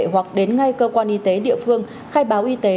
hoặc đến ngay cơ quan y tế địa phương khai báo y tế